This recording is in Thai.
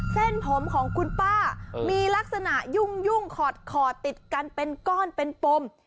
เส้นผมของคุณป้ามีลักษณะยุ่งขอดติดกันเป็นก้อนเป็นปม